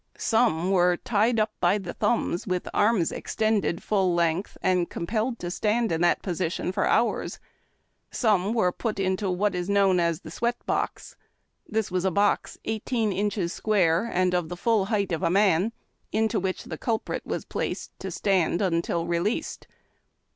148 HARD TACK AND COFFEE. Some were tied up by the thumbs, with arms extended full length, and compelled to stand in that position for hours ; some were put into what was known as the sweat box. This was a box eigli teen inches square, and of the full height of a man, into which the cul prit was placed to stand until re leased.